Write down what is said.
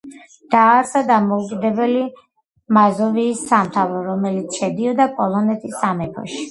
დააარსა დამოუკიდებელი მაზოვიის სამთავრო, რომელიც შედიოდა პოლონეთის სამეფოში.